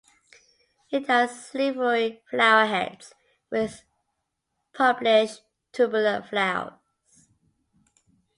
It has silvery flower heads with purplish tubular flowers.